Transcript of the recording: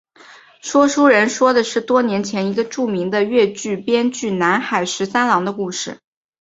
说书人说的是多年前一个著名的粤剧编剧南海十三郎的故事。